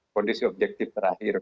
kondisi objektif terakhir